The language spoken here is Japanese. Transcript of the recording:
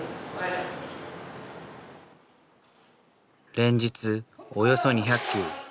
連日およそ２００球。